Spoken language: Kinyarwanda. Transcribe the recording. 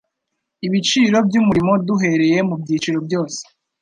ibiciro by' umurimo duhereye mu byiciro byose